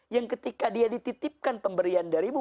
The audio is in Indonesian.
yang ketika dia dititipkan pemberian darimu